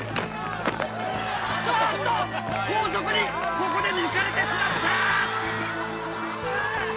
あっと後続にここで抜かれてしまった！